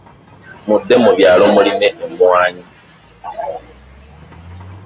Mudde mu byalo mulime emwanyi.